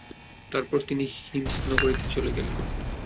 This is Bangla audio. তারপর তিনি হিমস নগরীতে চলে গেলেন।